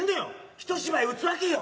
ひと芝居打つわけよ。